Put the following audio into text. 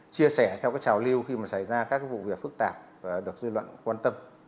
chia sẻ theo trào lưu khi xảy ra các vụ việc phức tạp và được dư luận quan tâm